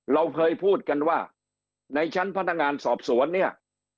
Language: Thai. เราเคยพูดกันว่าในชั้นพนักงานสอบสวนเนี่ย